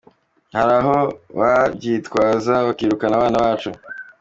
Hari aho babyitwaza bakirukana abana bacu.